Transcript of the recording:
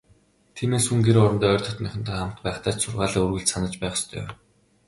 Тиймээс, хүн гэр орондоо ойр дотнынхонтойгоо хамт байхдаа ч сургаалаа үргэлж санаж байх ёстой.